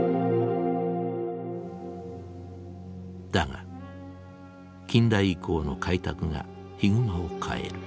だが近代以降の開拓がヒグマを変える。